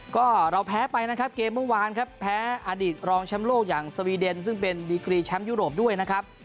ก็เราแพ้ไปนะครับเกมเมื่อวานครับแพ้อดีตรองแชมป์โลกอย่างสวีเดนซึ่งเป็นดีกรีแชมป์ยุโรปด้วยนะครับ